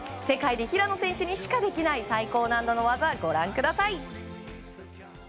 世界で平野選手にしかできない最高難度の技ご覧ください。